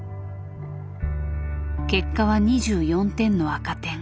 結果は２４点の赤点。